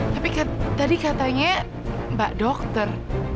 tapi tadi katanya mbak dokter